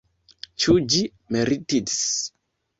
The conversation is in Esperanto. Ĉu ĝi meritits?